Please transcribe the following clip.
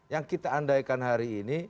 yang kita andaikan hari ini